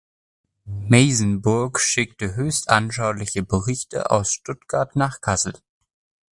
Meysenbug schickte höchst anschauliche Berichte aus Stuttgart nach Kassel.